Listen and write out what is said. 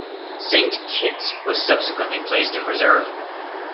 "Saint Kitts" was subsequently placed in Reserve.